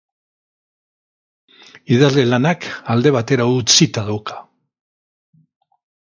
Idazle lanak alde batera utzita dauka.